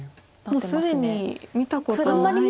もう既に見たことない。